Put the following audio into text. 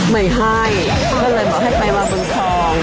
ไม่ให้ก็เลยบอกให้ไปมาบนคลอง